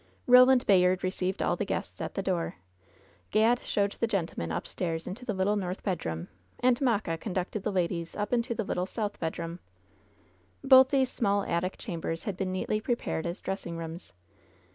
Roland Bayard received all the guests at the door. Gad showed the gentlemen upstairs into the little north bedroom, and Mocka conducted the ladies up into the little south bedroom. Both these small attic chambers had been neatly pre pared as dressing rooms.